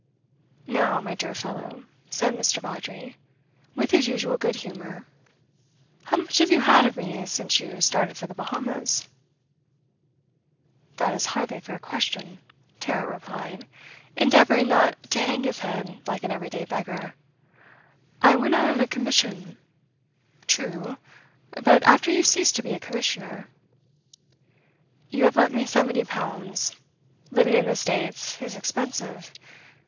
'Now, my dear fellow,' said Mr. Vawdrey, with his usual good humour, 'how much have you had of me since you started for the Bahamas?' 'That is hardly a fair question,' Tarrant replied, endeavouring not to hang his head like an everyday beggar. 'I went out on a commission ' 'True. But after you ceased to be a commissioner?' 'You have lent me seventy pounds. Living in the States is expensive.